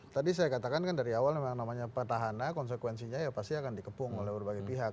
tadi saya katakan kan dari awal memang namanya petahana konsekuensinya ya pasti akan dikepung oleh berbagai pihak